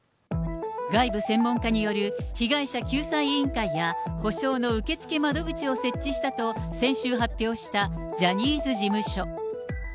外部専門家による被害者救済委員会や、補償の受け付け窓口を設置したと先週発表したジャニーズ事務所。